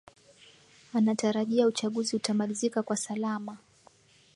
anatarajia uchaguzi utamalizika kwa salama